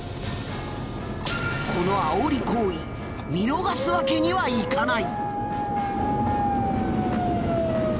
このあおり行為見逃すわけにはいかない。